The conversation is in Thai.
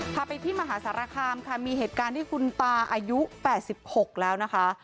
พาไปที่มหาสารคามค่ะมีเหตุการณ์ที่คุณตาอายุ๘๖แล้วนะคะ